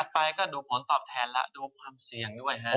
ไปก็ดูผลตอบแทนแล้วดูความเสี่ยงด้วยฮะ